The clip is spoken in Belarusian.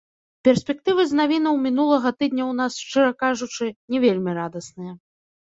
Перспектывы з навінаў мінулага тыдня ў нас, шчыра кажучы, не вельмі радасныя.